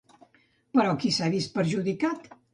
Però, qui s'ha vist perjudicat?